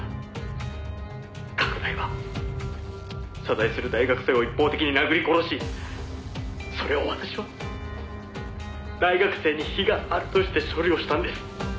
「加倉井は謝罪する大学生を一方的に殴り殺しそれを私は大学生に非があるとして処理をしたんです」